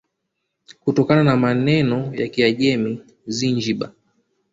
Kutokana na maneno ya Kiajem Zinjibar